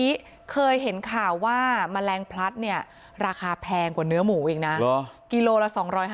วันนี้เคยเห็นข่าวว่าแมลงพลัดเนี่ยราคาแพงกว่าเนื้อหมูอีกนะกิโลละ๒๕๐